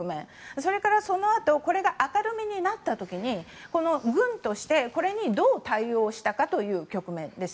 それからそのあとこれが明るみになった時に軍として、これにどう対応したかという局面です。